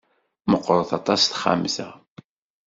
Meqqret aṭas texxamt-a.